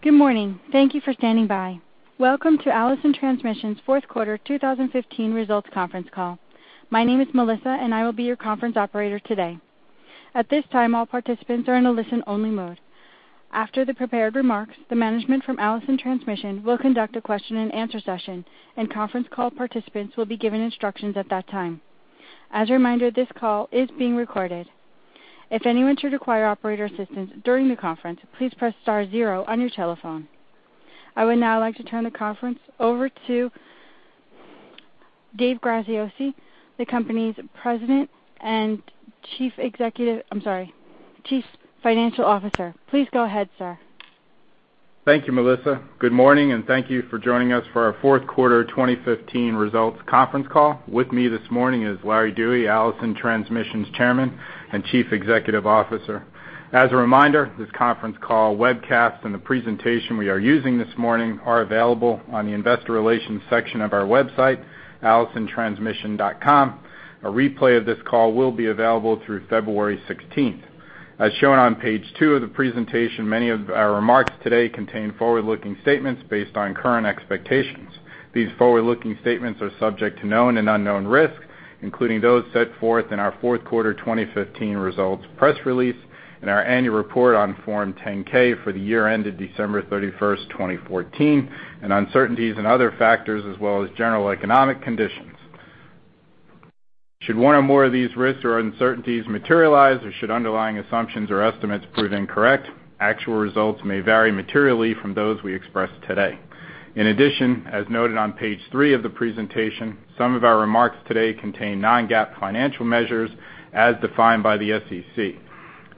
Good morning. Thank you for standing by. Welcome to Allison Transmission's fourth quarter 2015 results conference call. My name is Melissa, and I will be your conference operator today. At this time, all participants are in a listen-only mode. After the prepared remarks, the management from Allison Transmission will conduct a question-and-answer session, and conference call participants will be given instructions at that time. As a reminder, this call is being recorded. If anyone should require operator assistance during the conference, please press star zero on your telephone. I would now like to turn the conference over to Dave Graziosi, the company's President and Chief Executive—I'm sorry, Chief Financial Officer. Please go ahead, sir. Thank you, Melissa. Good morning, and thank you for joining us for our fourth quarter 2015 results conference call. With me this morning is Larry Dewey, Allison Transmission's Chairman and Chief Executive Officer. As a reminder, this conference call webcast and the presentation we are using this morning are available on the investor relations section of our website, allisontransmission.com. A replay of this call will be available through February 16. As shown on page 2 of the presentation, many of our remarks today contain forward-looking statements based on current expectations. These forward-looking statements are subject to known and unknown risks, including those set forth in our fourth quarter 2015 results press release and our annual report on Form 10-K for the year ended December 31, 2014, and uncertainties and other factors, as well as general economic conditions. Should one or more of these risks or uncertainties materialize, or should underlying assumptions or estimates prove incorrect, actual results may vary materially from those we express today. In addition, as noted on page 3 of the presentation, some of our remarks today contain Non-GAAP financial measures as defined by the SEC.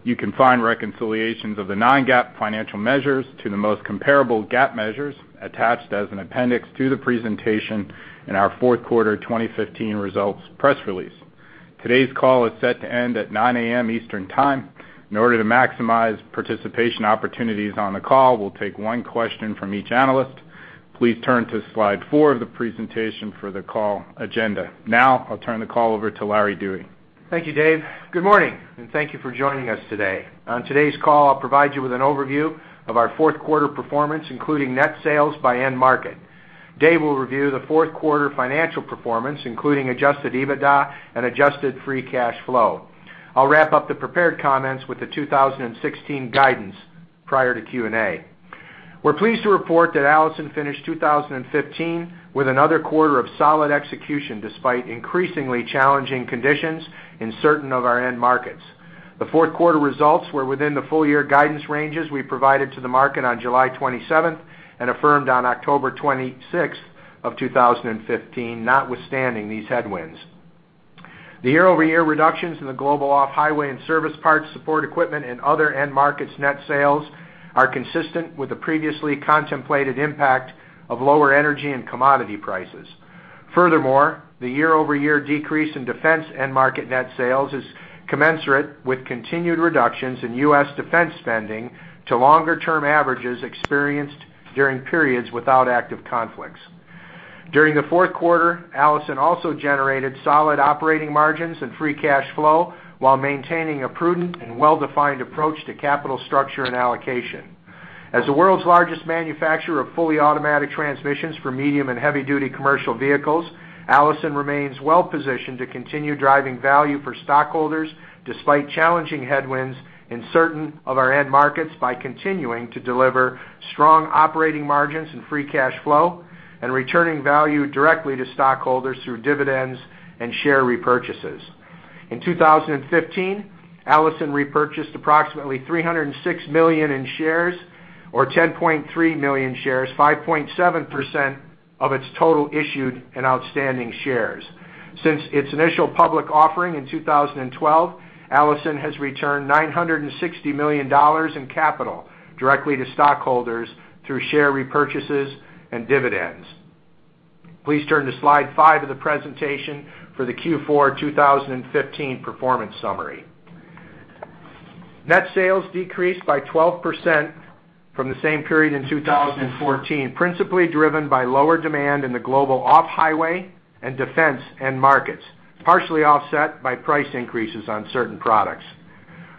You can find reconciliations of the Non-GAAP financial measures to the most comparable GAAP measures attached as an appendix to the presentation in our fourth quarter 2015 results press release. Today's call is set to end at 9:00 A.M. Eastern Time. In order to maximize participation opportunities on the call, we'll take one question from each analyst. Please turn to slide 4 of the presentation for the call agenda. Now, I'll turn the call over to Larry Dewey. Thank you, Dave. Good morning, and thank you for joining us today. On today's call, I'll provide you with an overview of our fourth quarter performance, including net sales by end market. Dave will review the fourth quarter financial performance, including Adjusted EBITDA and Adjusted Free Cash Flow. I'll wrap up the prepared comments with the 2016 guidance prior to Q&A. We're pleased to report that Allison finished 2015 with another quarter of solid execution, despite increasingly challenging conditions in certain of our end markets. The fourth quarter results were within the full-year guidance ranges we provided to the market on July 27th and affirmed on October 26th of 2015, notwithstanding these headwinds. The year-over-year reductions in the global off-highway and service parts, support equipment, and other end markets net sales are consistent with the previously contemplated impact of lower energy and commodity prices. Furthermore, the year-over-year decrease in defense end market net sales is commensurate with continued reductions in U.S. defense spending to longer-term averages experienced during periods without active conflicts. During the fourth quarter, Allison also generated solid operating margins and free cash flow while maintaining a prudent and well-defined approach to capital structure and allocation. As the world's largest manufacturer of fully automatic transmissions for medium- and heavy-duty commercial vehicles, Allison remains well positioned to continue driving value for stockholders, despite challenging headwinds in certain of our end markets, by continuing to deliver strong operating margins and free cash flow and returning value directly to stockholders through dividends and share repurchases. In 2015, Allison repurchased approximately $306 million in shares, or 10.3 million shares, 5.7% of its total issued and outstanding shares. Since its initial public offering in 2012, Allison has returned $960 million in capital directly to stockholders through share repurchases and dividends. Please turn to slide 5 of the presentation for the Q4 2015 performance summary. Net sales decreased by 12% from the same period in 2014, principally driven by lower demand in the global off-highway and defense end markets, partially offset by price increases on certain products.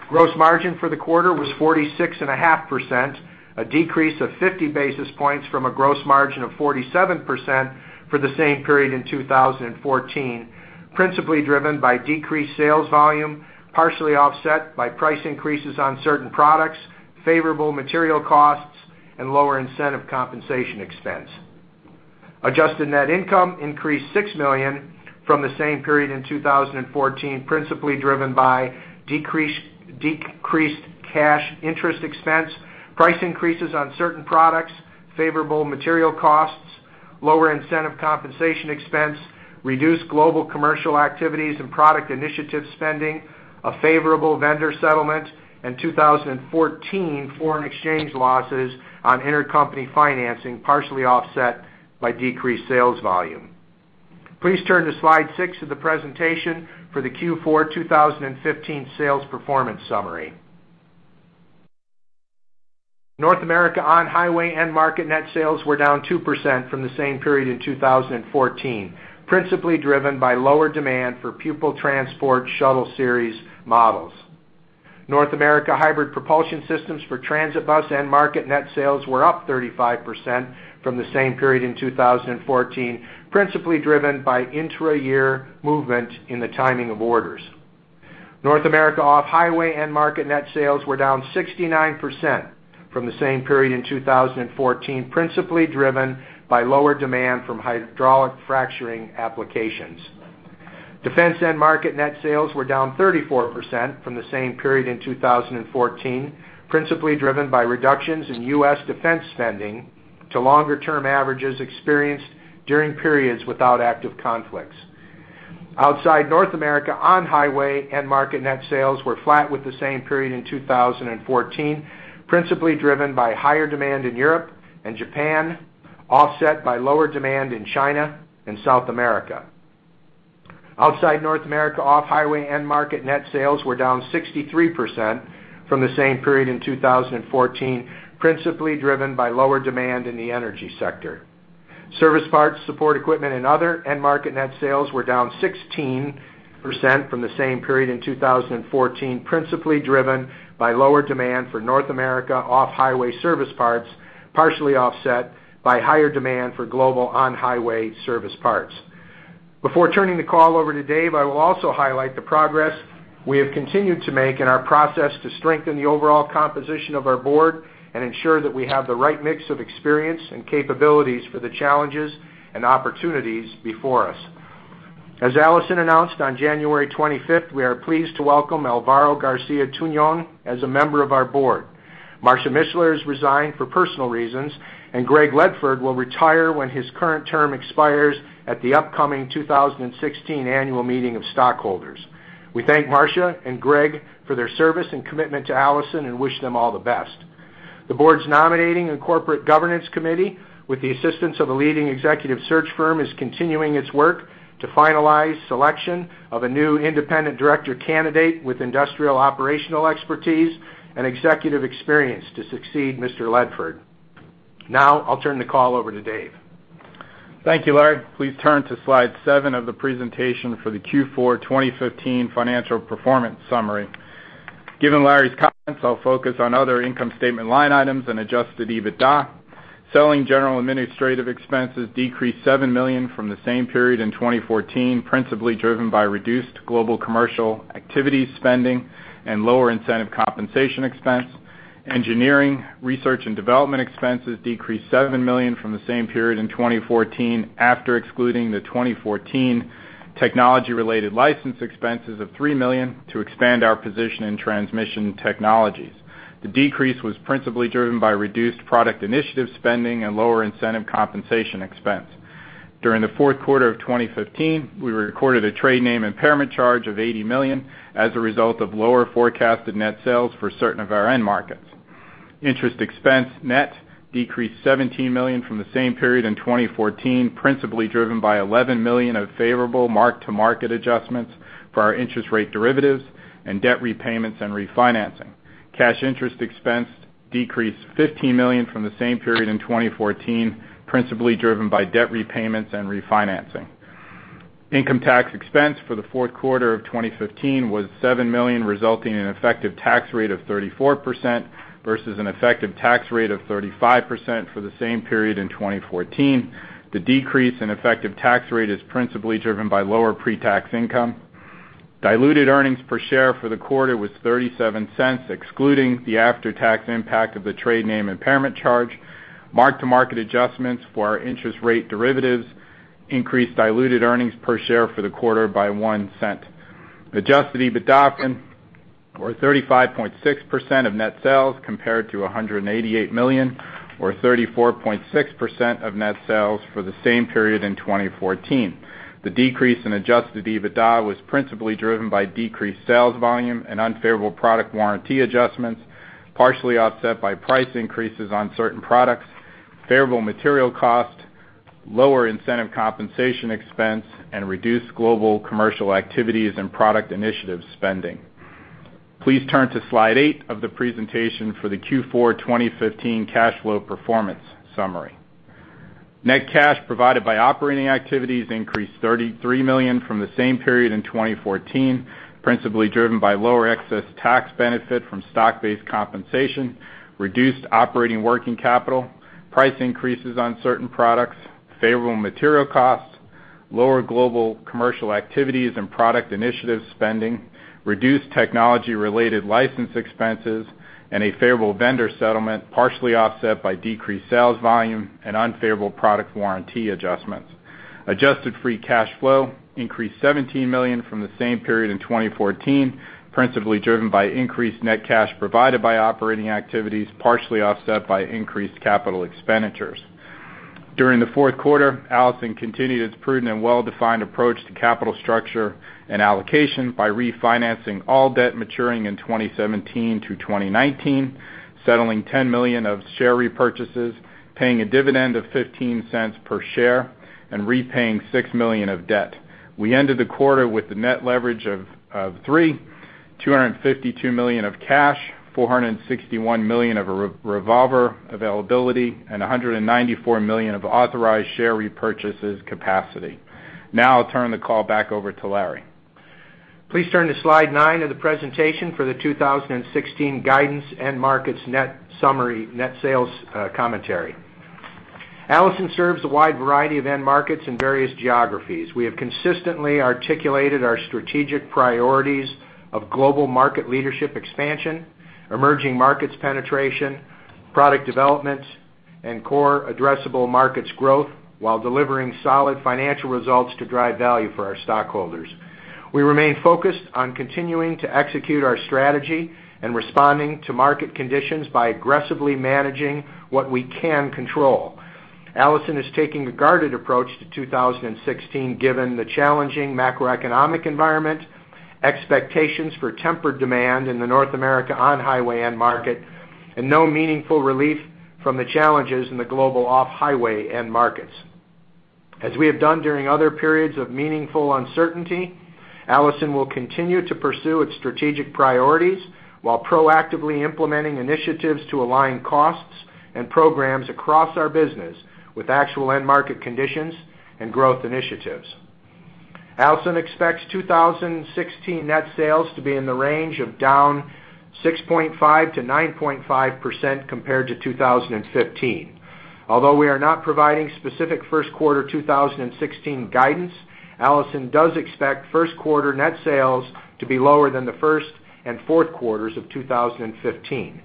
Gross margin for the quarter was 46.5%, a decrease of 50 basis points from a gross margin of 47% for the same period in 2014, principally driven by decreased sales volume, partially offset by price increases on certain products, favorable material costs, and lower incentive compensation expense. Adjusted net income increased $6 million from the same period in 2014, principally driven by decreased cash interest expense, price increases on certain products, favorable material costs, lower incentive compensation expense, reduced global commercial activities and product initiative spending, a favorable vendor settlement, and 2014 foreign exchange losses on intercompany financing, partially offset by decreased sales volume. Please turn to slide 6 of the presentation for the Q4 2015 sales performance summary. North America on-highway end market net sales were down 2% from the same period in 2014, principally driven by lower demand for Pupil Transport/Shuttle Series models. North America Hybrid Propulsion Systems for transit bus end market net sales were up 35% from the same period in 2014, principally driven by intra-year movement in the timing of orders. North America Off-Highway end market net sales were down 69% from the same period in 2014, principally driven by lower demand from hydraulic fracturing applications. Defense end market net sales were down 34% from the same period in 2014, principally driven by reductions in U.S. defense spending to longer-term averages experienced during periods without active conflicts. Outside North America, on-highway end market net sales were flat with the same period in 2014, principally driven by higher demand in Europe and Japan, offset by lower demand in China and South America. Outside North America, off-highway end market net sales were down 63% from the same period in 2014, principally driven by lower demand in the energy sector. Service parts, support equipment and other end market net sales were down 16% from the same period in 2014, principally driven by lower demand for North America off-highway service parts, partially offset by higher demand for global on-highway service parts. Before turning the call over to Dave, I will also highlight the progress we have continued to make in our process to strengthen the overall composition of our board and ensure that we have the right mix of experience and capabilities for the challenges and opportunities before us. As Allison announced on January 25, we are pleased to welcome Alvaro Garcia-Tunon as a member of our board. Marsha Mishler has resigned for personal reasons, and Greg Ledford will retire when his current term expires at the upcoming 2016 Annual Meeting of Stockholders. We thank Marsha and Greg for their service and commitment to Allison and wish them all the best. The board's Nominating and Corporate Governance Committee, with the assistance of a leading executive search firm, is continuing its work to finalize selection of a new independent director candidate with industrial operational expertise and executive experience to succeed Mr. Ledford. Now I'll turn the call over to Dave. Thank you, Larry. Please turn to slide 7 of the presentation for the Q4 2015 financial performance summary. Given Larry's comments, I'll focus on other income statement line items and Adjusted EBITDA. Selling, general, and administrative expenses decreased $7 million from the same period in 2014, principally driven by reduced global commercial activity spending and lower incentive compensation expense. Engineering, research, and development expenses decreased $7 million from the same period in 2014, after excluding the 2014 technology-related license expenses of $3 million to expand our position in transmission technologies. The decrease was principally driven by reduced product initiative spending and lower incentive compensation expense. During the fourth quarter of 2015, we recorded a trade name impairment charge of $80 million as a result of lower forecasted net sales for certain of our end markets. Interest expense net decreased $17 million from the same period in 2014, principally driven by $11 million of favorable mark-to-market adjustments for our interest rate derivatives and debt repayments and refinancing. Cash interest expense decreased $15 million from the same period in 2014, principally driven by debt repayments and refinancing. Income tax expense for the fourth quarter of 2015 was $7 million, resulting in an effective tax rate of 34% versus an effective tax rate of 35% for the same period in 2014. The decrease in effective tax rate is principally driven by lower pretax income. Diluted earnings per share for the quarter was $0.37, excluding the after-tax impact of the trade name impairment charge. Mark-to-market adjustments for our interest rate derivatives increased diluted earnings per share for the quarter by $0.01. Adjusted EBITDA, or 35.6% of net sales, compared to $188 million, or 34.6% of net sales for the same period in 2014. The decrease in Adjusted EBITDA was principally driven by decreased sales volume and unfavorable product warranty adjustments, partially offset by price increases on certain products, favorable material cost, lower incentive compensation expense, and reduced global commercial activities and product initiative spending. Please turn to slide 8 of the presentation for the Q4 2015 cash flow performance summary. Net cash provided by operating activities increased $33 million from the same period in 2014, principally driven by lower excess tax benefit from stock-based compensation, reduced operating working capital, price increases on certain products, favorable material costs, lower global commercial activities and product initiative spending, reduced technology-related license expenses, and a favorable vendor settlement, partially offset by decreased sales volume and unfavorable product warranty adjustments. Adjusted Free Cash Flow increased $17 million from the same period in 2014, principally driven by increased net cash provided by operating activities, partially offset by increased capital expenditures. During the fourth quarter, Allison continued its prudent and well-defined approach to capital structure and allocation by refinancing all debt maturing in 2017 through 2019, settling $10 million of share repurchases, paying a dividend of $0.15 per share, and repaying $6 million of debt. We ended the quarter with a net leverage of three, $252 million of cash, $461 million of revolver availability, and $194 million of authorized share repurchases capacity. Now I'll turn the call back over to Larry.... Please turn to Slide 9 of the presentation for the 2016 guidance end markets net summary, net sales, commentary. Allison serves a wide variety of end markets in various geographies. We have consistently articulated our strategic priorities of global market leadership expansion, emerging markets penetration, product development, and core addressable markets growth while delivering solid financial results to drive value for our stockholders. We remain focused on continuing to execute our strategy and responding to market conditions by aggressively managing what we can control. Allison is taking a guarded approach to 2016, given the challenging macroeconomic environment, expectations for tempered demand in the North America on-highway end market, and no meaningful relief from the challenges in the global off-highway end markets. As we have done during other periods of meaningful uncertainty, Allison will continue to pursue its strategic priorities while proactively implementing initiatives to align costs and programs across our business with actual end market conditions and growth initiatives. Allison expects 2016 net sales to be in the range of down 6.5%-9.5% compared to 2015. Although we are not providing specific first quarter 2016 guidance, Allison does expect first quarter net sales to be lower than the first and fourth quarters of 2015.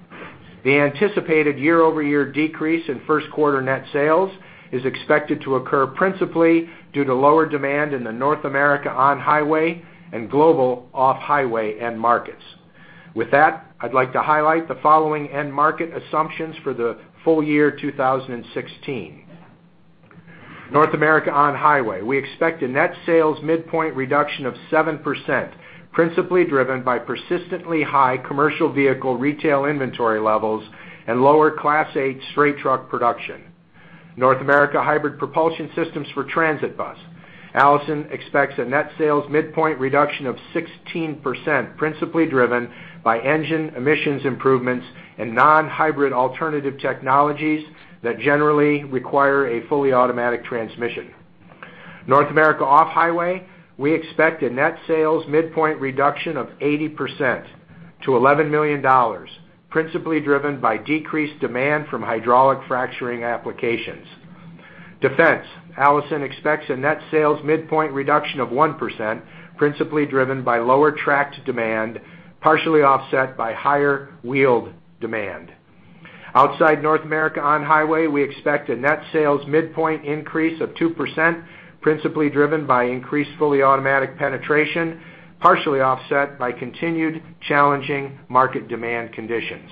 The anticipated year-over-year decrease in first quarter net sales is expected to occur principally due to lower demand in the North America on-highway and global off-highway end markets. With that, I'd like to highlight the following end market assumptions for the full year 2016. North America on-highway: We expect a net sales midpoint reduction of 7%, principally driven by persistently high commercial vehicle retail inventory levels and lower Class 8 straight truck production. North America hybrid propulsion systems for transit bus: Allison expects a net sales midpoint reduction of 16%, principally driven by engine emissions improvements and non-hybrid alternative technologies that generally require a fully automatic transmission. North America off-highway: We expect a net sales midpoint reduction of 80% to $11 million, principally driven by decreased demand from hydraulic fracturing applications. Defense: Allison expects a net sales midpoint reduction of 1%, principally driven by lower tracked demand, partially offset by higher wheeled demand. Outside North America on-highway, we expect a net sales midpoint increase of 2%, principally driven by increased fully automatic penetration, partially offset by continued challenging market demand conditions.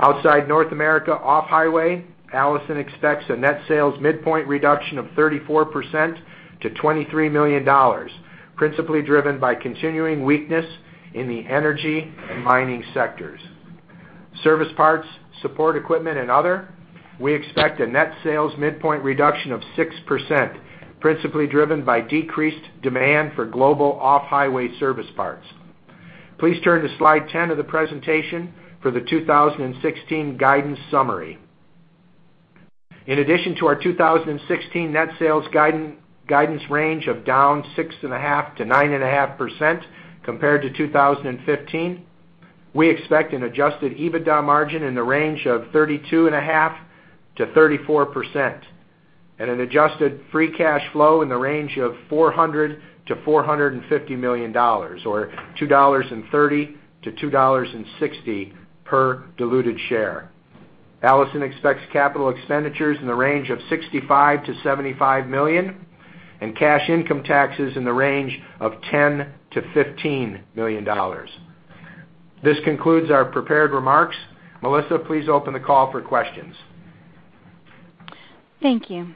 Outside North America off-highway, Allison expects a net sales midpoint reduction of 34% to $23 million, principally driven by continuing weakness in the energy and mining sectors. Service parts, support equipment, and other: We expect a net sales midpoint reduction of 6%, principally driven by decreased demand for global off-highway service parts. Please turn to Slide 10 of the presentation for the 2016 guidance summary. In addition to our 2016 net sales guidance range of down 6.5%-9.5% compared to 2015, we expect an Adjusted EBITDA margin in the range of 32.5%-34%, and an adjusted free cash flow in the range of $400 million-$450 million, or $2.30-$2.60 per diluted share. Allison expects capital expenditures in the range of $65 million-$75 million, and cash income taxes in the range of $10 million-$15 million. This concludes our prepared remarks. Melissa, please open the call for questions. Thank you.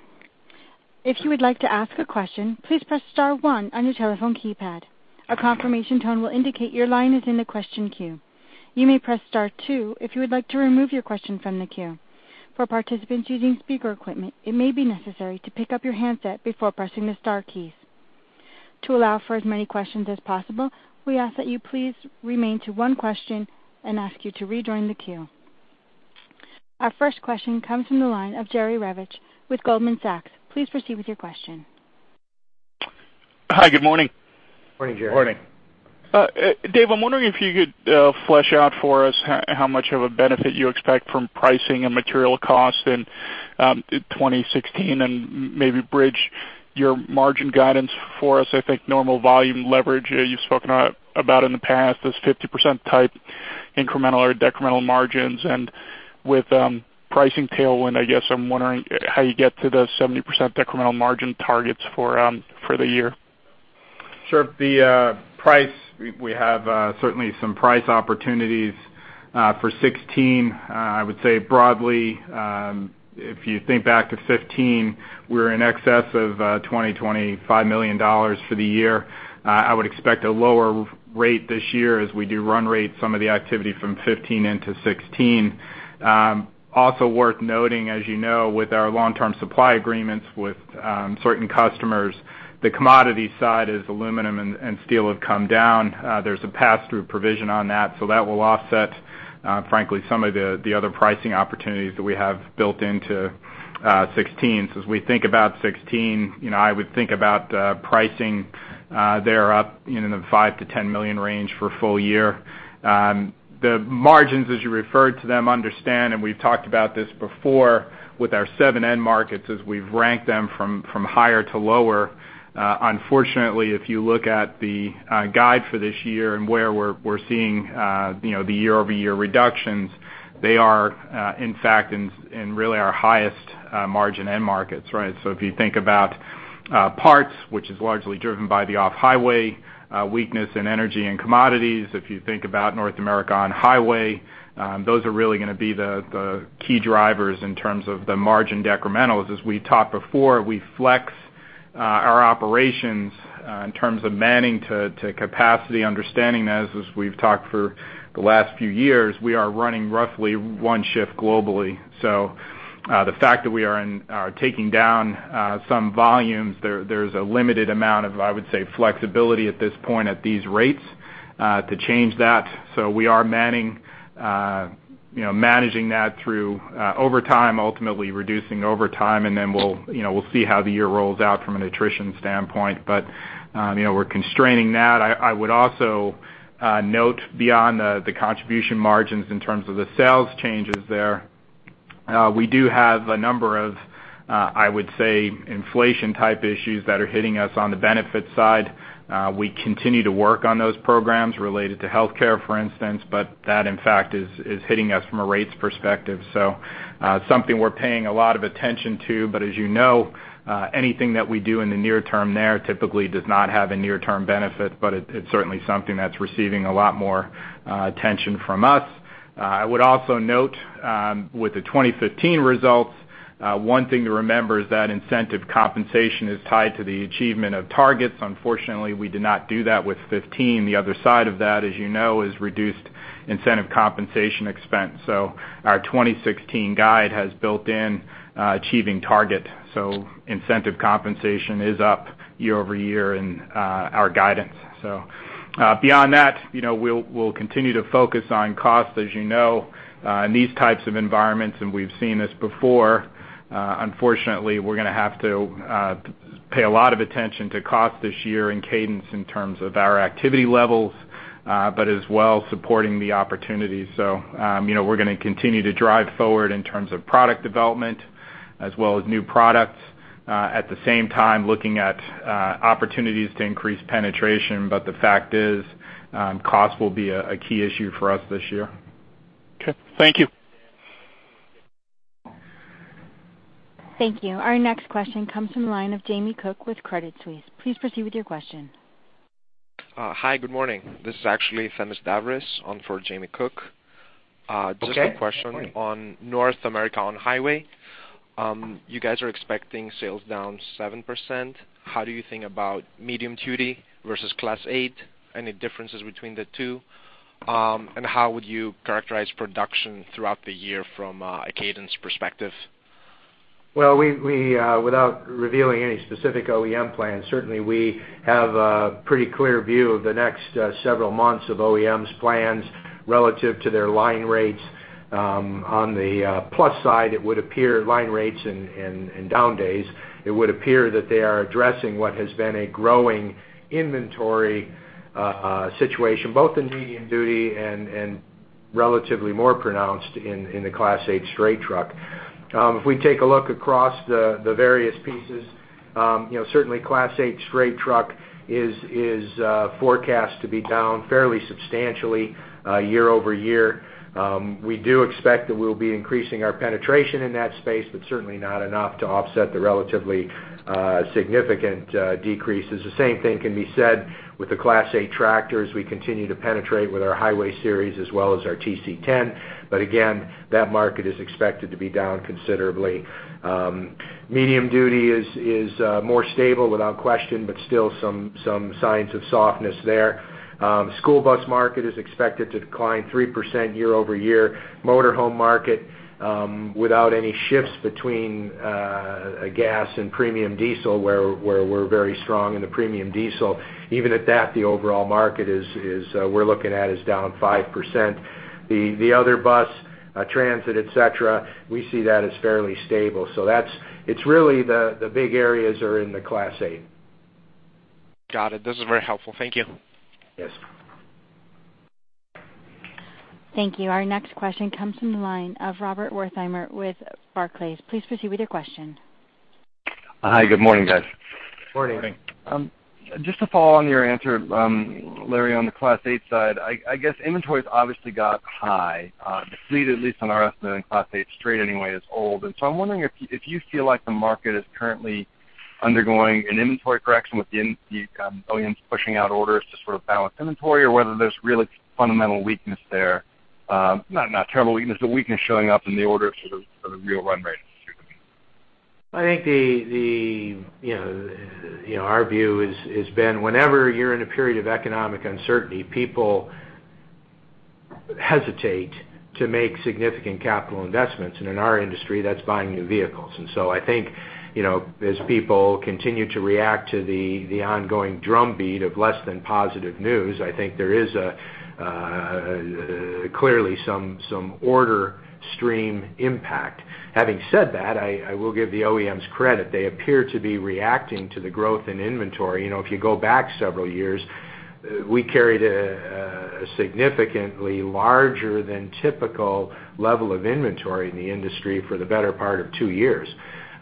If you would like to ask a question, please press star one on your telephone keypad. A confirmation tone will indicate your line is in the question queue. You may press star two if you would like to remove your question from the queue. For participants using speaker equipment, it may be necessary to pick up your handset before pressing the star keys. To allow for as many questions as possible, we ask that you please limit to one question and we ask you to rejoin the queue. Our first question comes from the line of Jerry Revich with Goldman Sachs. Please proceed with your question. Hi, good morning. Morning, Jerry. Morning. Dave, I'm wondering if you could flesh out for us how much of a benefit you expect from pricing and material costs in 2016, and maybe bridge your margin guidance for us. I think normal volume leverage, you've spoken about in the past, this 50% type incremental or decremental margins. And with pricing tailwind, I guess I'm wondering how you get to the 70% decremental margin targets for the year. Sure. The price, we have certainly some price opportunities for 2016. I would say broadly, if you think back to 2015, we're in excess of $20-$25 million for the year. I would expect a lower rate this year as we do run rate some of the activity from 2015 into 2016. Also worth noting, as you know, with our long-term supply agreements with certain customers, the commodity side is aluminum and steel have come down. There's a pass-through provision on that, so that will offset frankly some of the other pricing opportunities that we have built into 2016. So as we think about 2016, you know, I would think about pricing, they're up, you know, in the $5 million-$10 million range for full year. The margins, as you referred to them, understand, and we've talked about this before with our seven end markets, as we've ranked them from higher to lower. Unfortunately, if you look at the guide for this year and where we're seeing, you know, the year-over-year reductions, they are in fact in really our highest margin end markets, right? So if you think about parts, which is largely driven by the off-highway weakness in energy and commodities, if you think about North America on-highway, those are really going to be the key drivers in terms of the margin decrementals. As we talked before, we flex our operations in terms of manning to capacity, understanding as we've talked for the last few years, we are running roughly one shift globally. So, the fact that we are taking down some volumes, there, there's a limited amount of, I would say, flexibility at this point at these rates, to change that. So we are manning, you know, managing that through overtime, ultimately reducing overtime, and then we'll, you know, we'll see how the year rolls out from an attrition standpoint. But, you know, we're constraining that. I would also note beyond the contribution margins in terms of the sales changes there, we do have a number of, I would say, inflation-type issues that are hitting us on the benefit side. We continue to work on those programs related to healthcare, for instance, but that, in fact, is hitting us from a rates perspective. So, something we're paying a lot of attention to, but as you know, anything that we do in the near term there typically does not have a near-term benefit, but it, it's certainly something that's receiving a lot more attention from us. I would also note, with the 2015 results, one thing to remember is that incentive compensation is tied to the achievement of targets. Unfortunately, we did not do that with 2015. The other side of that, as you know, is reduced incentive compensation expense. So our 2016 guide has built in achieving target, so incentive compensation is up year-over-year in our guidance. So, beyond that, you know, we'll continue to focus on cost. As you know, in these types of environments, and we've seen this before, unfortunately, we're going to have to, pay a lot of attention to cost this year and cadence in terms of our activity levels, but as well, supporting the opportunities. So, you know, we're going to continue to drive forward in terms of product development as well as new products, at the same time, looking at, opportunities to increase penetration. But the fact is, cost will be a key issue for us this year. Okay. Thank you. Thank you. Our next question comes from the line of Jamie Cook with Credit Suisse. Please proceed with your question. Hi, good morning. This is actually Themis Davris on for Jamie Cook. Okay. Just a question on North America on-highway. You guys are expecting sales down 7%. How do you think about medium-duty versus Class 8? Any differences between the two? And how would you characterize production throughout the year from a cadence perspective? Well, we, we, without revealing any specific OEM plans, certainly we have a pretty clear view of the next, several months of OEMs plans relative to their line rates. On the plus side, it would appear line rates and down days, it would appear that they are addressing what has been a growing inventory situation, both in medium duty and relatively more pronounced in the Class 8 straight truck. If we take a look across the various pieces, you know, certainly Class 8 straight truck is forecast to be down fairly substantially, year-over-year. We do expect that we'll be increasing our penetration in that space, but certainly not enough to offset the relatively significant decreases. The same thing can be said with the Class 8 tractors. We continue to penetrate with our Highway Series as well as our TC10, but again, that market is expected to be down considerably. Medium duty is more stable without question, but still some signs of softness there. School bus market is expected to decline 3% year-over-year. Motorhome market, without any shifts between gas and premium diesel, where we're very strong in the premium diesel. Even at that, the overall market is, we're looking at, is down 5%. The other bus, transit, et cetera, we see that as fairly stable. So that's it really the big areas are in the Class 8. Got it. This is very helpful. Thank you. Yes. Thank you. Our next question comes from the line of Robert Wertheimer with Barclays. Please proceed with your question. Hi, good morning, guys. Good morning. Morning. Just to follow on your answer, Larry, on the Class 8 side, I guess inventory's obviously got high. The fleet, at least on our estimate, in Class 8 straight anyway, is old. And so I'm wondering if you feel like the market is currently undergoing an inventory correction with the OEMs pushing out orders to sort of balance inventory, or whether there's really fundamental weakness there? Not terrible weakness, but weakness showing up in the orders for the real run rate, excuse me. I think you know our view has been whenever you're in a period of economic uncertainty, people hesitate to make significant capital investments, and in our industry, that's buying new vehicles. And so I think you know as people continue to react to the ongoing drumbeat of less than positive news, I think there is clearly some order stream impact. Having said that, I will give the OEMs credit. They appear to be reacting to the growth in inventory. You know, if you go back several years, we carried a significantly larger than typical level of inventory in the industry for the better part of two years.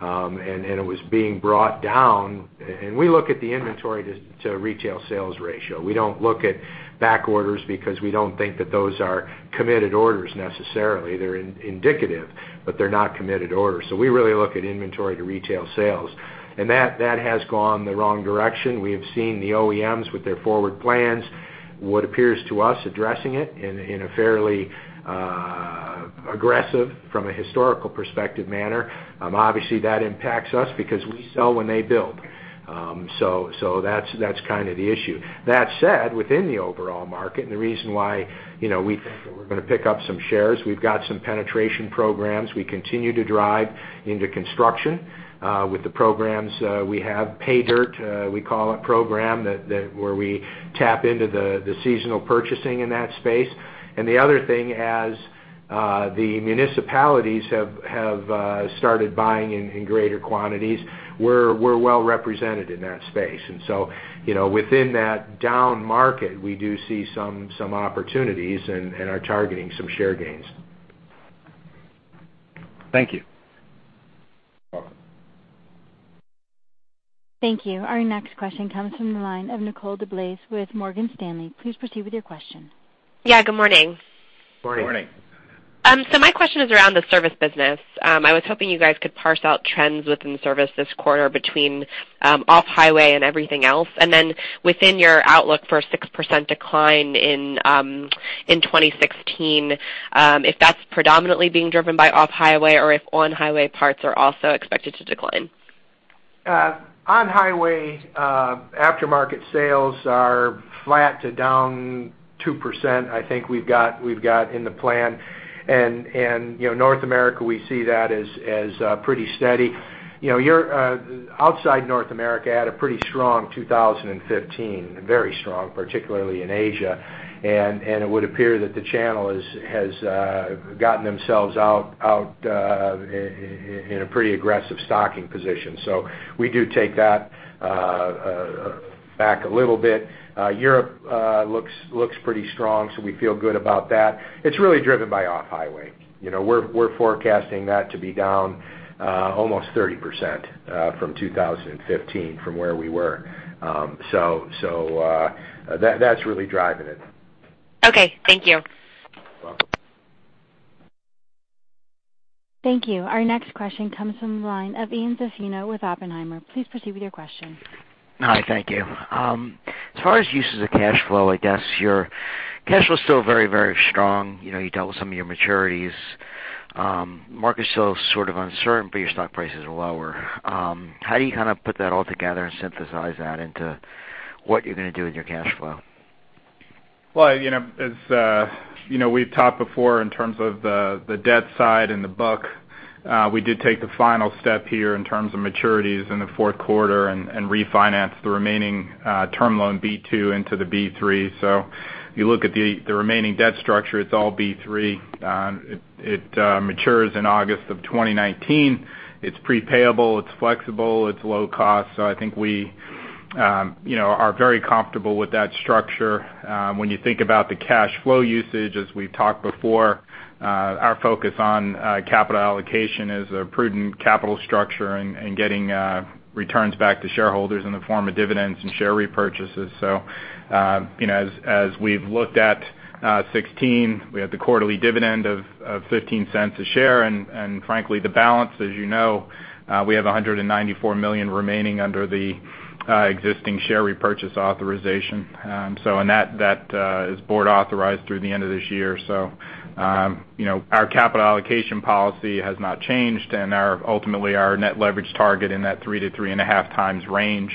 And it was being brought down, and we look at the inventory to retail sales ratio. We don't look at back orders because we don't think that those are committed orders necessarily. They're indicative, but they're not committed orders. So we really look at inventory to retail sales, and that, that has gone the wrong direction. We have seen the OEMs with their forward plans, what appears to us addressing it in, in a fairly aggressive from a historical perspective manner. Obviously, that impacts us because we sell when they build. So, so that's, that's kind of the issue. That said, within the overall market, and the reason why, you know, we think that we're gonna pick up some shares, we've got some penetration programs. We continue to drive into construction with the programs we have, PayDirt, we call it program, that, that where we tap into the, the seasonal purchasing in that space. The other thing, as the municipalities have started buying in greater quantities, we're well represented in that space. So, you know, within that down market, we do see some opportunities and are targeting some share gains. Thank you. You're welcome. Thank you. Our next question comes from the line of Nicole DeBlase with Morgan Stanley. Please proceed with your question. Yeah, good morning. Morning. Morning. So my question is around the service business. I was hoping you guys could parse out trends within the service this quarter between off-highway and everything else. And then within your outlook for a 6% decline in 2016, if that's predominantly being driven by off-highway, or if on-highway parts are also expected to decline? On-highway aftermarket sales are flat to down 2%. I think we've got in the plan. And, you know, North America, we see that as pretty steady. You know, you're outside North America had a pretty strong 2015, very strong, particularly in Asia. And it would appear that the channel has gotten themselves out in a pretty aggressive stocking position. So we do take that back a little bit. Europe looks pretty strong, so we feel good about that. It's really driven by off-highway. You know, we're forecasting that to be down almost 30% from 2015 from where we were. So that's really driving it. Okay, thank you. You're welcome. Thank you. Our next question comes from the line of Ian Zaffino with Oppenheimer. Please proceed with your question. Hi, thank you. As far as uses of cash flow, I guess your cash flow is still very, very strong. You know, you dealt with some of your maturities. Market's still sort of uncertain, but your stock prices are lower. How do you kind of put that all together and synthesize that into what you're gonna do with your cash flow? Well, you know, we've talked before in terms of the debt side and the book, we did take the final step here in terms of maturities in the fourth quarter and refinance the remaining Term Loan B-2 into the B-3. So if you look at the remaining debt structure, it's all B-3. It matures in August of 2019. It's pre-payable, it's flexible, it's low cost. So I think we, you know, are very comfortable with that structure. When you think about the cash flow usage, as we've talked before, our focus on capital allocation is a prudent capital structure and getting returns back to shareholders in the form of dividends and share repurchases. So, you know, as we've looked at 2016, we had the quarterly dividend of $0.15 per share, and frankly, the balance, as you know, we have $194 million remaining under the existing share repurchase authorization. And that is board authorized through the end of this year. So, you know, our capital allocation policy has not changed, and ultimately, our net leverage target in that 3-3.5 times range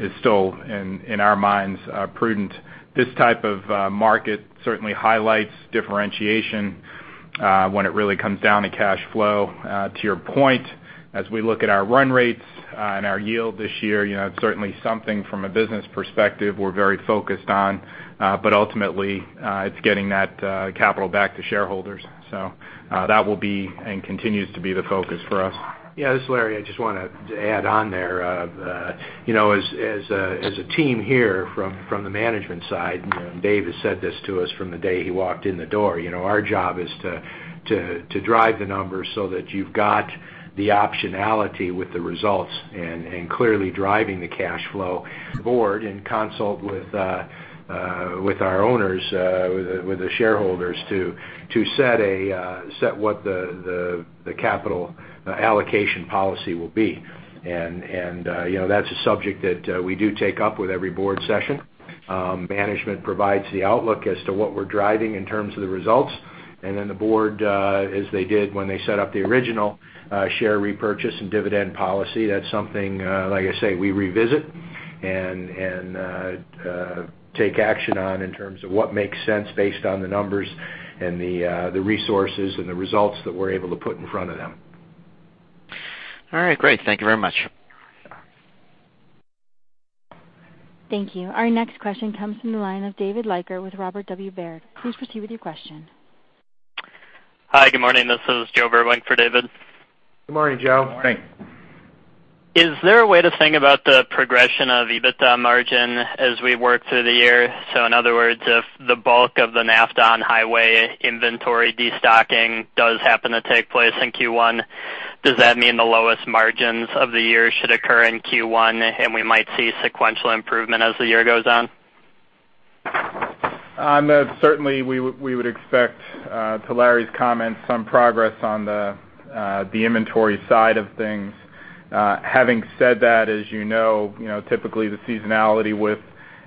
is still, in our minds, prudent. This type of market certainly highlights differentiation when it really comes down to cash flow. To your point, as we look at our run rates, and our yield this year, you know, it's certainly something from a business perspective we're very focused on, but ultimately, it's getting that capital back to shareholders. So, that will be and continues to be the focus for us. Yeah, this is Larry. I just want to add on there. You know, as a team here from the management side, you know, and Dave has said this to us from the day he walked in the door, you know, our job is to drive the numbers so that you've got the optionality with the results and clearly driving the cash flow board and consult with our owners, with the shareholders to set what the capital allocation policy will be. And you know, that's a subject that we do take up with every board session. Management provides the outlook as to what we're driving in terms of the results, and then the board, as they did when they set up the original, share repurchase and dividend policy, that's something, like I say, we revisit and take action on in terms of what makes sense based on the numbers and the resources and the results that we're able to put in front of them. All right, great. Thank you very much. Thank you. Our next question comes from the line of David Leiker with Robert W. Baird. Please proceed with your question. Hi, good morning, this is Joe Vruwink for David. Good morning, Joe. Good morning. Is there a way to think about the progression of EBITDA margin as we work through the year? So in other words, if the bulk of the NAFTA on-highway inventory destocking does happen to take place in Q1, does that mean the lowest margins of the year should occur in Q1, and we might see sequential improvement as the year goes on? Certainly, we would expect to Larry's comments some progress on the inventory side of things. Having said that, as you know, you know, typically, the seasonality with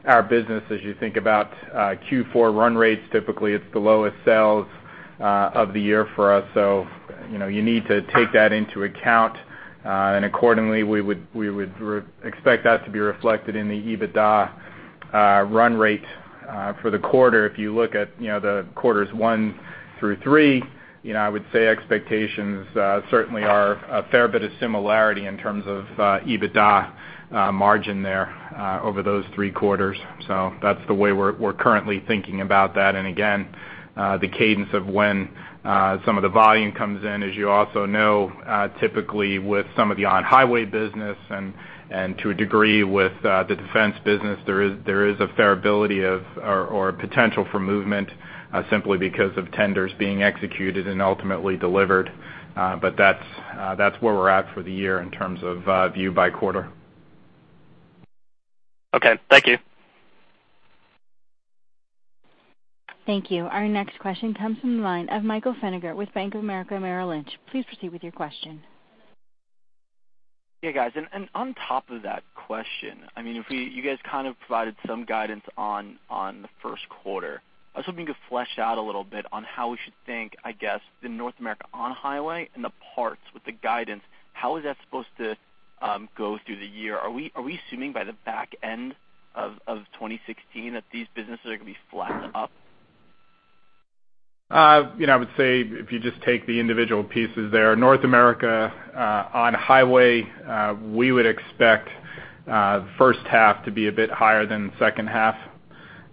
our business, as you think about Q4 run rates, typically, it's the lowest sales of the year for us. So, you know, you need to take that into account. And accordingly, we would expect that to be reflected in the EBITDA run rate for the quarter. If you look at, you know, the quarters 1 through 3, you know, I would say expectations certainly are a fair bit of similarity in terms of EBITDA margin there over those three quarters. So that's the way we're currently thinking about that. And again, the cadence of when some of the volume comes in, as you also know, typically with some of the on-highway business, and to a degree, with the defense business, there is a fair amount of variability or potential for movement, simply because of tenders being executed and ultimately delivered. But that's where we're at for the year in terms of view by quarter. Okay. Thank you. Thank you. Our next question comes from the line of Michael Feniger with Bank of America Merrill Lynch. Please proceed with your question. Yeah, guys. And on top of that question, I mean, if we—you guys kind of provided some guidance on the first quarter. I was hoping you could flesh out a little bit on how we should think, I guess, the North America on-highway and the parts with the guidance, how is that supposed to go through the year? Are we assuming by the back end of 2016 that these businesses are going to be flat to up? You know, I would say if you just take the individual pieces there, North America, on-highway, we would expect the first half to be a bit higher than the second half.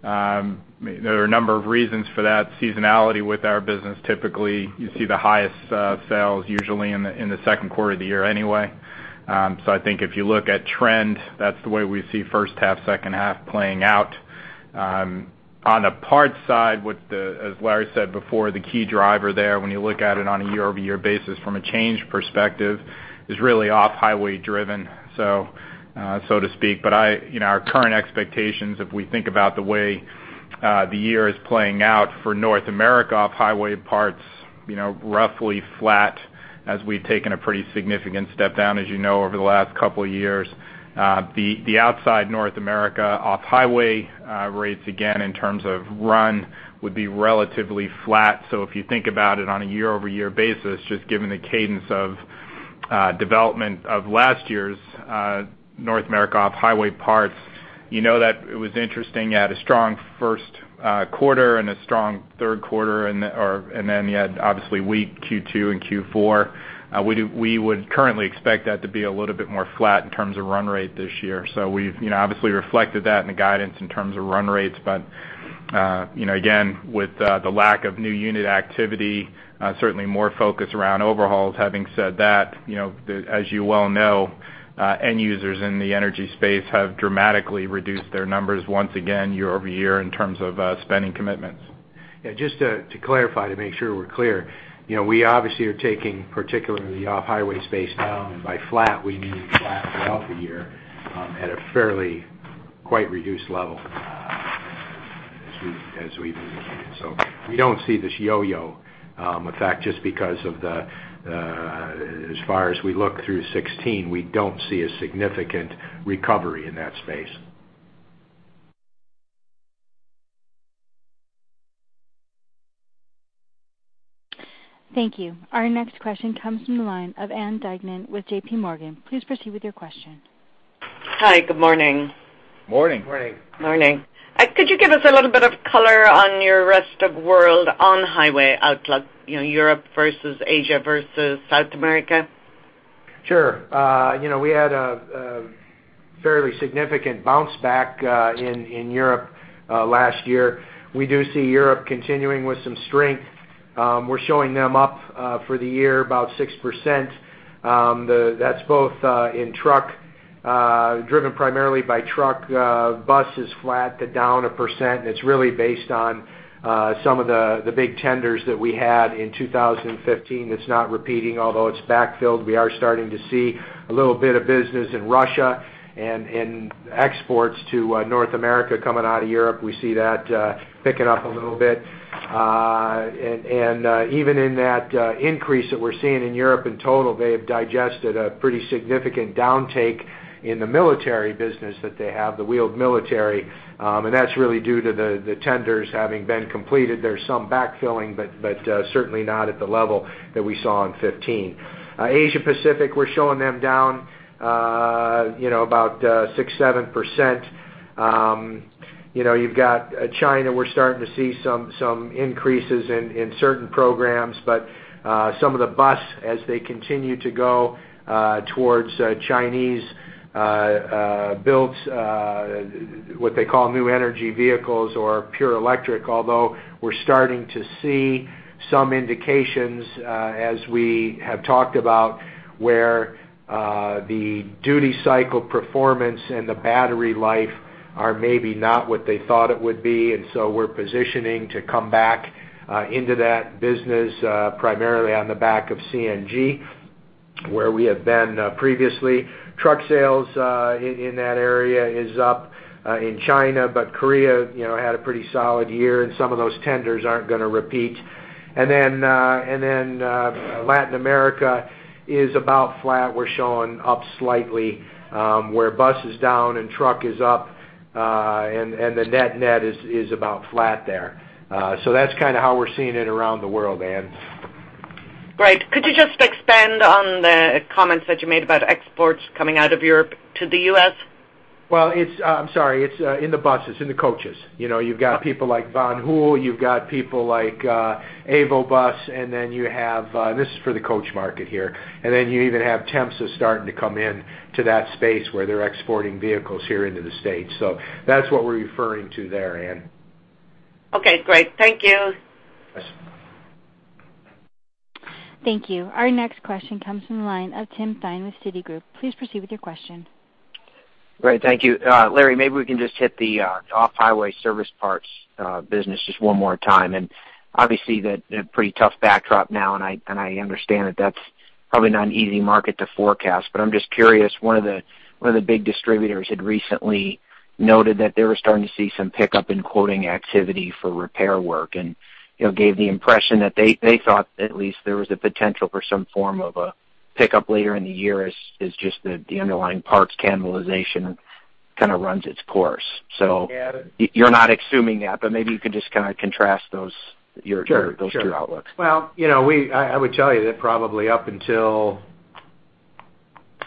There are a number of reasons for that seasonality with our business. Typically, you see the highest sales usually in the second quarter of the year anyway. So I think if you look at trend, that's the way we see first half, second half playing out. On the parts side, with the... As Larry said before, the key driver there, when you look at it on a year-over-year basis from a change perspective, is really off-highway driven, so to speak. But you know, our current expectations, if we think about the way, the year is playing out for North America off-highway parts, you know, roughly flat, as we've taken a pretty significant step down, as you know, over the last couple of years. The outside North America off-highway rates, again, in terms of run, would be relatively flat. So if you think about it on a year-over-year basis, just given the cadence of development of last year's North America off-highway parts, you know that it was interesting. You had a strong first quarter and a strong third quarter and, or, and then you had, obviously, weak Q2 and Q4. We would currently expect that to be a little bit more flat in terms of run rate this year. So we've, you know, obviously reflected that in the guidance in terms of run rates. But, you know, again, with the lack of new unit activity, certainly more focus around overhauls. Having said that, you know, as you well know, end users in the energy space have dramatically reduced their numbers once again, year-over-year, in terms of spending commitments. Yeah, just to clarify, to make sure we're clear. You know, we obviously are taking, particularly the off-highway space down, and by flat, we mean flat throughout the year, at a fairly quite reduced level, as we move. So we don't see this yo-yo effect, just because of, as far as we look through 2016, we don't see a significant recovery in that space. Thank you. Our next question comes from the line of Ann Duignan with JPMorgan. Please proceed with your question. Hi, good morning. Morning. Morning. Morning. Could you give us a little bit of color on your rest-of-world on-highway outlook? You know, Europe versus Asia versus South America? Sure. You know, we had a fairly significant bounce back in Europe last year. We do see Europe continuing with some strength. We're showing them up for the year, about 6%. That's both in truck, driven primarily by truck. Bus is flat to down 1%. It's really based on some of the big tenders that we had in 2015. It's not repeating, although it's backfilled. We are starting to see a little bit of business in Russia and in exports to North America coming out of Europe. We see that picking up a little bit. And even in that increase that we're seeing in Europe in total, they have digested a pretty significant downtake in the military business that they have, the wheeled military. And that's really due to the tenders having been completed. There's some backfilling, but certainly not at the level that we saw in 15. Asia Pacific, we're showing them down, you know, about 6-7%. You know, you've got China, we're starting to see some increases in certain programs, but some of the bus, as they continue to go towards Chinese-built what they call New Energy Vehicles or pure electric. Although, we're starting to see some indications, as we have talked about, where the duty cycle performance and the battery life are maybe not what they thought it would be, and so we're positioning to come back into that business, primarily on the back of CNG... where we have been previously. Truck sales in that area is up in China, but Korea, you know, had a pretty solid year, and some of those tenders aren't gonna repeat. And then Latin America is about flat. We're showing up slightly where bus is down and truck is up, and the net-net is about flat there. So that's kind of how we're seeing it around the world, Anne. Great. Could you just expand on the comments that you made about exports coming out of Europe to the U.S.? Well, it's, I'm sorry, it's in the buses, in the coaches. You know, you've got people like Van Hool, you've got people like EvoBus, and then you have this is for the coach market here, and then you even have Temsa starting to come in to that space where they're exporting vehicles here into the States. So that's what we're referring to there, Anne. Okay, great. Thank you. Yes. Thank you. Our next question comes from the line of Tim Thein with Citigroup. Please proceed with your question. Great. Thank you. Larry, maybe we can just hit the off-highway service parts business just one more time. And obviously, the pretty tough backdrop now, and I understand that that's probably not an easy market to forecast. But I'm just curious, one of the big distributors had recently noted that they were starting to see some pickup in quoting activity for repair work, and you know, gave the impression that they thought at least there was a potential for some form of a pickup later in the year, as just the underlying parts cannibalization kind of runs its course. So- Got it. You're not assuming that, but maybe you could just kind of contrast those, your- Sure. Those, your outlooks. Well, you know, we, I would tell you that probably up until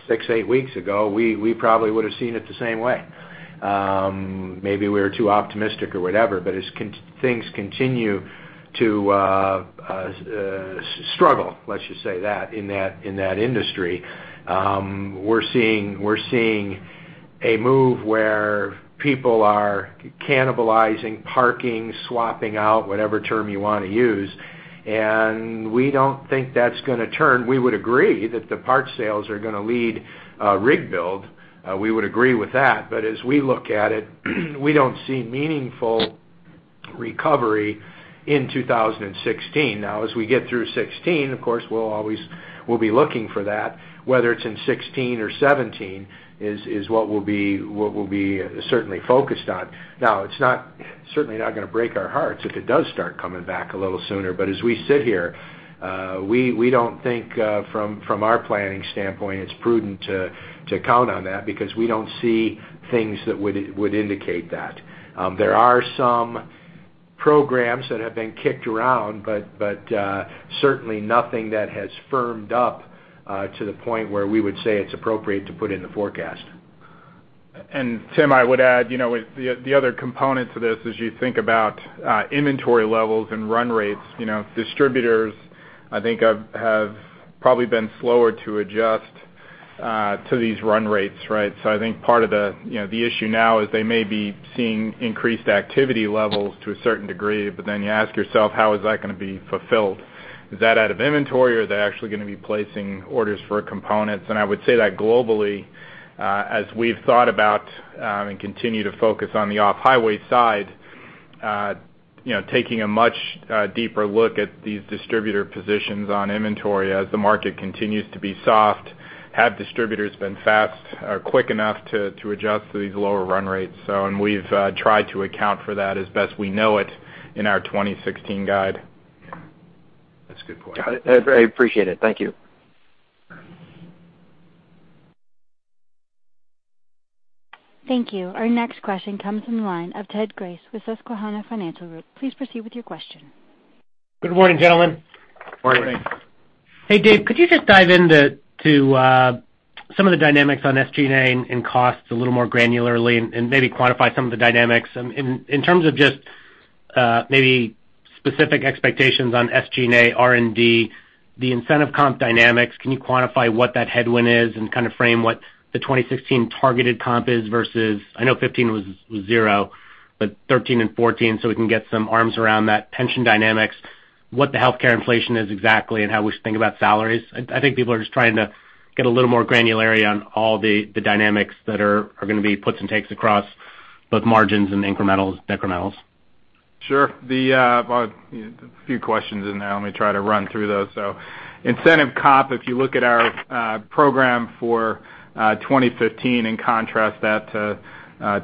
6-8 weeks ago, we, we probably would have seen it the same way. Maybe we were too optimistic or whatever, but as things continue to struggle, let's just say that, in that, in that industry, we're seeing, we're seeing a move where people are cannibalizing, parking, swapping out, whatever term you want to use, and we don't think that's gonna turn. We would agree that the parts sales are gonna lead rig build. We would agree with that. But as we look at it, we don't see meaningful recovery in 2016. Now, as we get through 2016, of course, we'll always, we'll be looking for that. Whether it's in 2016 or 2017 is, is what we'll be, what we'll be certainly focused on. Now, it's not, certainly not gonna break our hearts if it does start coming back a little sooner. But as we sit here, we don't think, from our planning standpoint, it's prudent to count on that because we don't see things that would indicate that. There are some programs that have been kicked around, but certainly nothing that has firmed up to the point where we would say it's appropriate to put in the forecast. And Tim, I would add, you know, with the other component to this, as you think about inventory levels and run rates, you know, distributors, I think, have probably been slower to adjust to these run rates, right? So I think part of the, you know, the issue now is they may be seeing increased activity levels to a certain degree, but then you ask yourself, how is that gonna be fulfilled? Is that out of inventory, or are they actually gonna be placing orders for components? And I would say that globally, as we've thought about and continue to focus on the off-highway side, you know, taking a much deeper look at these distributor positions on inventory as the market continues to be soft, have distributors been fast or quick enough to adjust to these lower run rates? So, and we've tried to account for that as best we know it in our 2016 guide. That's a good point. Got it. I appreciate it. Thank you. Thank you. Our next question comes from the line of Ted Grace with Susquehanna Financial Group. Please proceed with your question. Good morning, gentlemen. Morning. Morning. Hey, Dave, could you just dive into some of the dynamics on SG&A and costs a little more granularly and maybe quantify some of the dynamics? In terms of just maybe specific expectations on SG&A, R&D, the incentive comp dynamics, can you quantify what that headwind is and kind of frame what the 2016 targeted comp is versus... I know 2015 was zero, but 2013 and 2014, so we can get some arms around that pension dynamics, what the healthcare inflation is exactly, and how we should think about salaries. I think people are just trying to get a little more granularity on all the dynamics that are gonna be puts and takes across both margins and incrementals, decrementals. Sure. Well, a few questions in there. Let me try to run through those. So incentive comp, if you look at our program for 2015, in contrast that to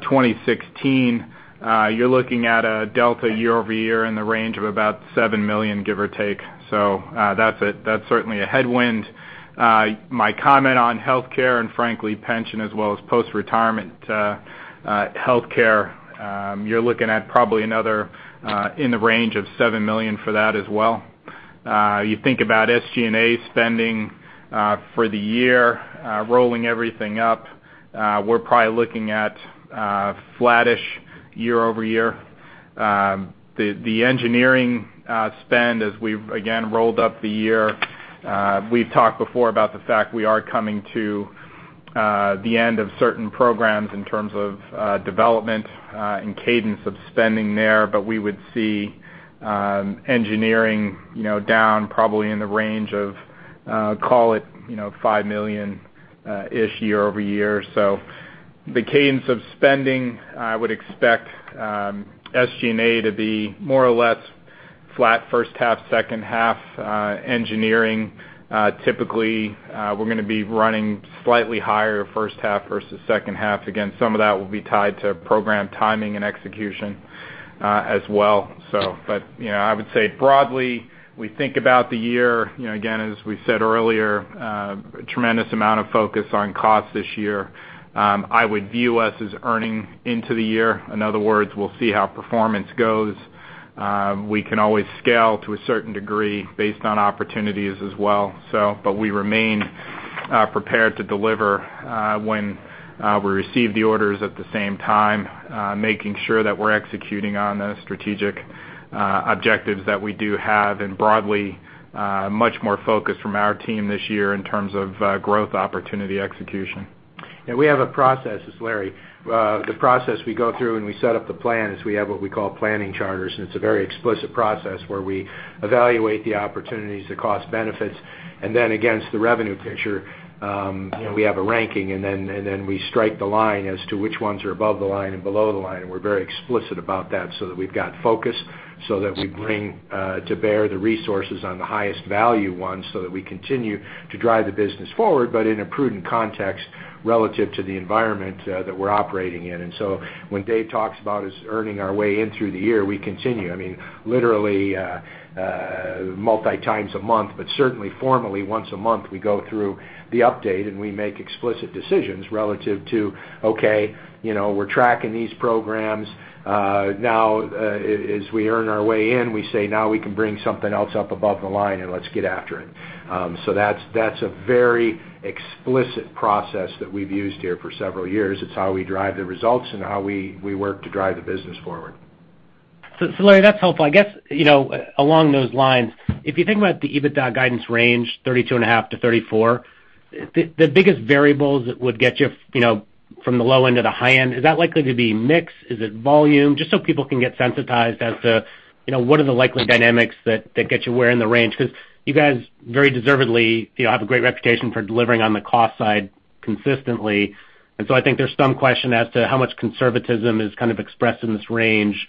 2016, you're looking at a delta year-over-year in the range of about $7 million, give or take. So, that's certainly a headwind. My comment on healthcare and frankly, pension, as well as post-retirement healthcare, you're looking at probably another in the range of $7 million for that as well. You think about SG&A spending for the year, rolling everything up, we're probably looking at flattish year-over-year. The engineering spend, as we've again rolled up the year, we've talked before about the fact we are coming to the end of certain programs in terms of development and cadence of spending there, but we would see engineering, you know, down probably in the range of, call it, you know, $5 million ish year-over-year. So the cadence of spending, I would expect SG&A to be more or less... flat first half, second half, engineering typically we're gonna be running slightly higher first half versus second half. Again, some of that will be tied to program timing and execution as well. So but, you know, I would say broadly, we think about the year, you know, again, as we said earlier, tremendous amount of focus on cost this year. I would view us as earning into the year. In other words, we'll see how performance goes. We can always scale to a certain degree based on opportunities as well, so but we remain prepared to deliver when we receive the orders at the same time, making sure that we're executing on the strategic objectives that we do have, and broadly, much more focus from our team this year in terms of growth opportunity execution. We have a process. This is Larry. The process we go through, and we set up the plan, is we have what we call planning charters, and it's a very explicit process where we evaluate the opportunities, the cost benefits, and then against the revenue picture, you know, we have a ranking, and then we strike the line as to which ones are above the line and below the line. And we're very explicit about that so that we've got focus, so that we bring to bear the resources on the highest value ones, so that we continue to drive the business forward, but in a prudent context relative to the environment that we're operating in. And so when Dave talks about us earning our way in through the year, we continue. I mean, literally, multiple times a month, but certainly formally, once a month, we go through the update, and we make explicit decisions relative to, okay, you know, we're tracking these programs. Now, as we earn our way in, we say, now we can bring something else up above the line, and let's get after it. So that's, that's a very explicit process that we've used here for several years. It's how we drive the results and how we, we work to drive the business forward. So, so Larry, that's helpful. I guess, you know, along those lines, if you think about the EBITDA guidance range, 32.5-34, the, the biggest variables that would get you, you know, from the low end to the high end, is that likely to be mix? Is it volume? Just so people can get sensitized as to, you know, what are the likely dynamics that, that get you where in the range? Because you guys, very deservedly, you know, have a great reputation for delivering on the cost side consistently. And so I think there's some question as to how much conservatism is kind of expressed in this range.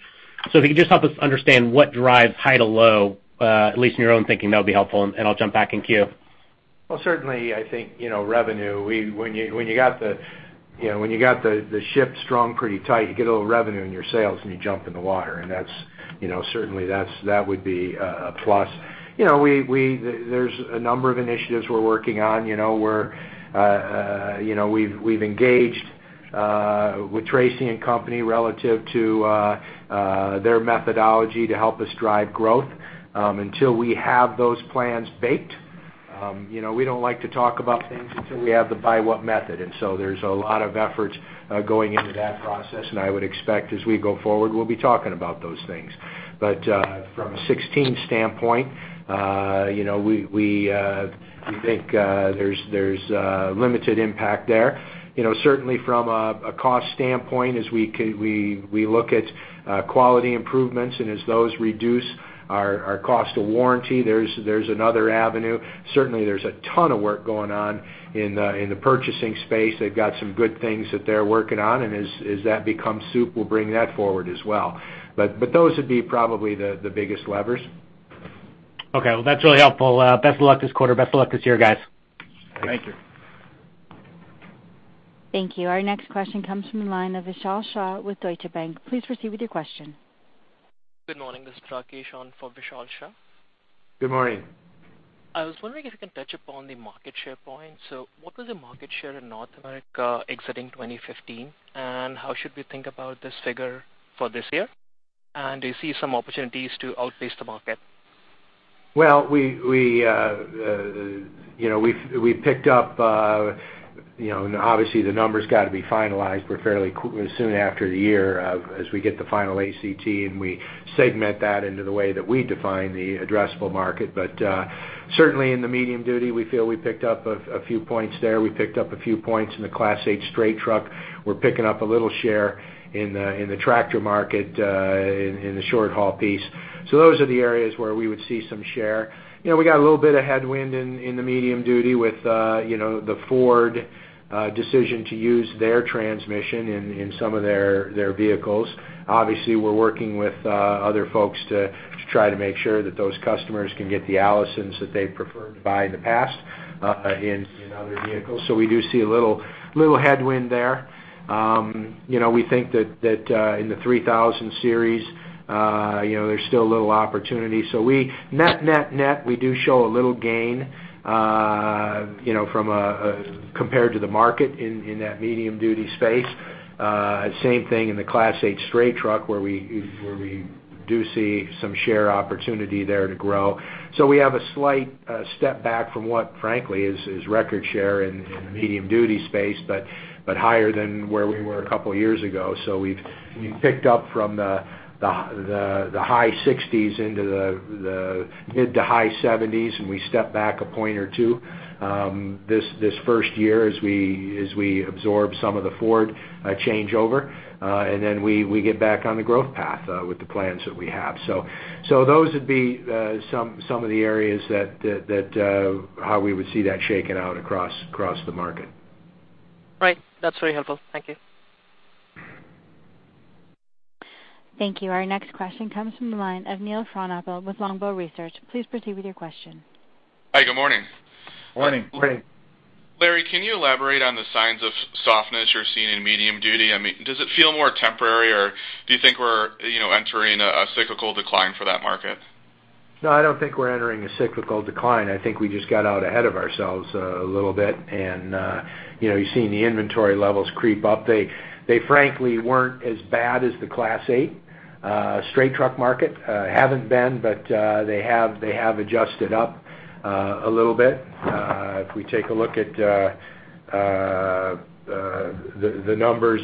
So if you could just help us understand what drives high to low, at least in your own thinking, that'll be helpful, and I'll jump back in queue. Well, certainly, I think, you know, revenue, we—when you got the, you know, when you got the ship strung pretty tight, you get a little revenue in your sales, and you jump in the water, and that's, you know, certainly, that's—that would be a plus. You know, we, there's a number of initiatives we're working on. You know, we're, you know, we've engaged with Treacy & Company relative to their methodology to help us drive growth. Until we have those plans baked, you know, we don't like to talk about things until we have the by what method. And so there's a lot of efforts going into that process, and I would expect as we go forward, we'll be talking about those things. But from a 2016 standpoint, you know, we think there's limited impact there. You know, certainly from a cost standpoint, as we look at quality improvements, and as those reduce our cost of warranty, there's another avenue. Certainly, there's a ton of work going on in the purchasing space. They've got some good things that they're working on, and as that becomes soup, we'll bring that forward as well. But those would be probably the biggest levers. Okay, well, that's really helpful. Best of luck this quarter. Best of luck this year, guys. Thank you. Thank you. Our next question comes from the line of Vishal Shah with Deutsche Bank. Please proceed with your question. Good morning, this is Rakesh on for Vishal Shah. Good morning. I was wondering if you can touch upon the market share point. So what was the market share in North America exiting 2015? And how should we think about this figure for this year? And do you see some opportunities to outpace the market? Well, we picked up, you know, and obviously, the numbers got to be finalized, but fairly soon after the year, as we get the final ACT, and we segment that into the way that we define the addressable market. But, certainly in the medium duty, we feel we picked up a few points there. We picked up a few points in the Class 8 straight truck. We're picking up a little share in the tractor market, in the short-haul piece. So those are the areas where we would see some share. You know, we got a little bit of headwind in the medium duty with, you know, the Ford decision to use their transmission in some of their vehicles. Obviously, we're working with other folks to try to make sure that those customers can get the Allisons that they preferred to buy in the past in other vehicles. So we do see a little headwind there. You know, we think that in the 3000 Series, you know, there's still a little opportunity. So net, we do show a little gain, you know, compared to the market in that medium-duty space. Same thing in the Class 8 straight truck, where we do see some share opportunity there to grow. So we have a slight step back from what frankly is record share in the medium-duty space, but higher than where we were a couple of years ago. So we've picked up from the high 60s into the mid- to high 70s, and we step back a point or two this first year as we absorb some of the Ford changeover, and then we get back on the growth path with the plans that we have. So those would be some of the areas that how we would see that shaking out across the market. Right. That's very helpful. Thank you. Thank you. Our next question comes from the line of Neil Frohnapple with Longbow Research. Please proceed with your question. Hi, good morning. Morning. Good morning. Larry, can you elaborate on the signs of softness you're seeing in medium duty? I mean, does it feel more temporary, or do you think we're, you know, entering a cyclical decline for that market? No, I don't think we're entering a cyclical decline. I think we just got out ahead of ourselves, a little bit and, you know, you've seen the inventory levels creep up. They frankly weren't as bad as the Class 8 straight truck market. Haven't been, but they have adjusted up, a little bit. If we take a look at the numbers,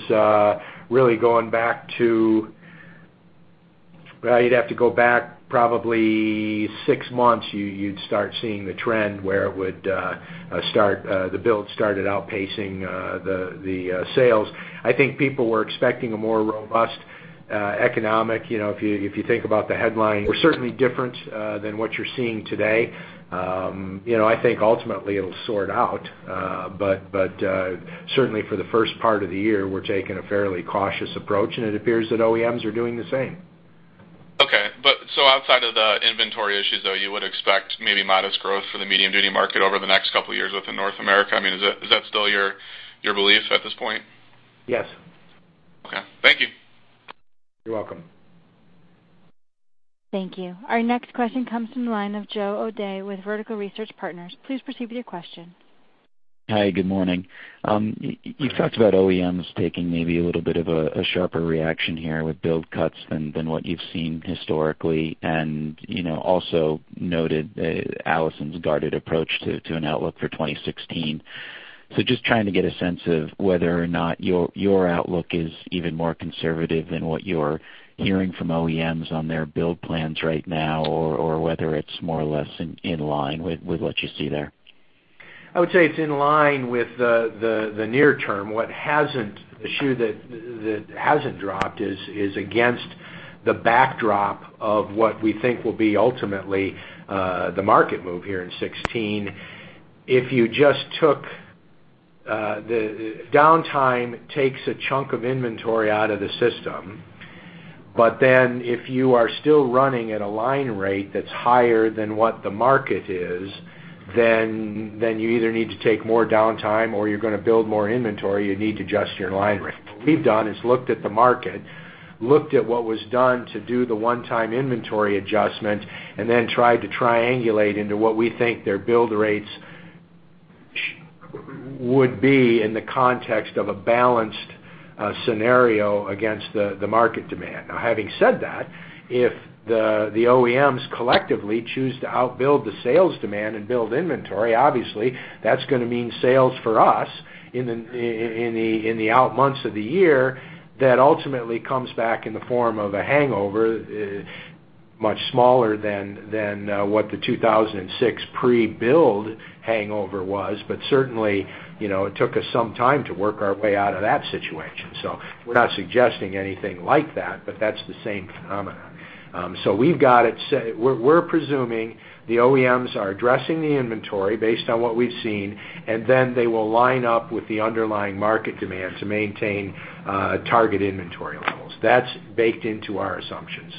really going back to—well, you'd have to go back probably six months, you'd start seeing the trend where the build started outpacing the sales. I think people were expecting a more robust economic, you know, if you think about the headline, we're certainly different than what you're seeing today. You know, I think ultimately it'll sort out, but certainly for the first part of the year, we're taking a fairly cautious approach, and it appears that OEMs are doing the same. Okay. But so outside of the inventory issues, though, you would expect maybe modest growth for the medium duty market over the next couple of years within North America. I mean, is that, is that still your, your belief at this point? Yes. Okay. Thank you. You're welcome. Thank you. Our next question comes from the line of Joe O'Dea with Vertical Research Partners. Please proceed with your question. Hi, good morning. You've talked about OEMs taking maybe a little bit of a sharper reaction here with build cuts than what you've seen historically. And, you know, also noted Allison's guarded approach to an outlook for 2016. So just trying to get a sense of whether or not your outlook is even more conservative than what you're hearing from OEMs on their build plans right now, or whether it's more or less in line with what you see there? I would say it's in line with the near term. What hasn't, the shoe that hasn't dropped is against the backdrop of what we think will be ultimately the market move here in 2016. If you just took the downtime takes a chunk of inventory out of the system. But then, if you are still running at a line rate that's higher than what the market is, then you either need to take more downtime or you're going to build more inventory, you need to adjust your line rate. What we've done is looked at the market, looked at what was done to do the one-time inventory adjustment, and then tried to triangulate into what we think their build rates would be in the context of a balanced scenario against the market demand. Now, having said that, if the OEMs collectively choose to outbuild the sales demand and build inventory, obviously that's going to mean sales for us in the out months of the year. That ultimately comes back in the form of a hangover, much smaller than what the 2006 pre-build hangover was. But certainly, you know, it took us some time to work our way out of that situation, so we're not suggesting anything like that, but that's the same phenomena. So we've got it set, we're presuming the OEMs are addressing the inventory based on what we've seen, and then they will line up with the underlying market demand to maintain target inventory levels. That's baked into our assumptions.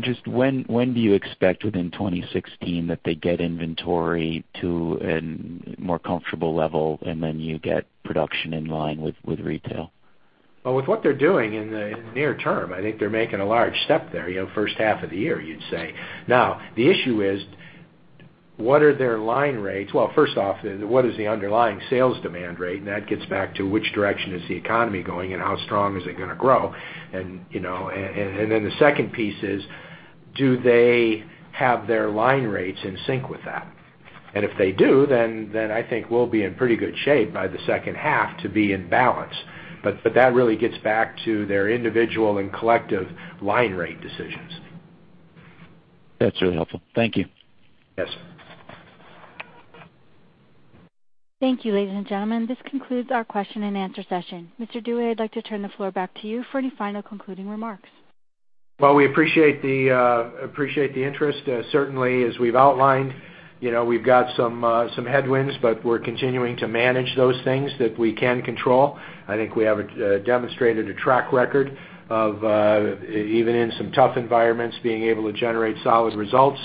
Just when do you expect within 2016 that they get inventory to a more comfortable level, and then you get production in line with retail? Well, with what they're doing in the near term, I think they're making a large step there, you know, first half of the year, you'd say. Now, the issue is, what are their line rates? Well, first off, what is the underlying sales demand rate? And that gets back to which direction is the economy going and how strong is it going to grow. And, you know, then the second piece is, do they have their line rates in sync with that? And if they do, then I think we'll be in pretty good shape by the second half to be in balance. But that really gets back to their individual and collective line rate decisions. That's really helpful. Thank you. Yes. Thank you, ladies and gentlemen. This concludes our question-and-answer session. Mr. Dewey, I'd like to turn the floor back to you for any final concluding remarks. Well, we appreciate the interest. Certainly, as we've outlined, you know, we've got some headwinds, but we're continuing to manage those things that we can control. I think we have demonstrated a track record of even in some tough environments, being able to generate solid results,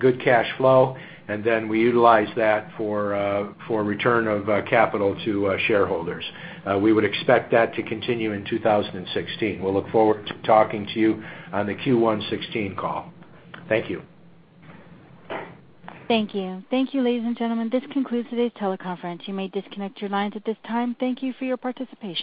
good cash flow, and then we utilize that for return of capital to shareholders. We would expect that to continue in 2016. We'll look forward to talking to you on the Q1 2016 call. Thank you. Thank you. Thank you, ladies and gentlemen. This concludes today's teleconference. You may disconnect your lines at this time. Thank you for your participation.